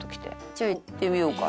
「じゃあいってみようか」。